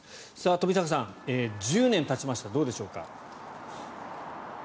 冨坂さん、１０年たちましたどうでしょうか。